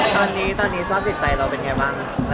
ตอนนี้ตอนนี้สภาพจิตใจเราเป็นไงบ้าง